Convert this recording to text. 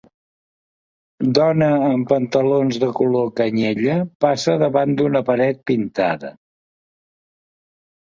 Dona amb pantalons de color canyella passa davant d'una paret pintada.